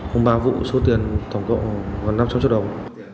hôm ba vụ số tiền tổng cộng gần năm trăm linh triệu đồng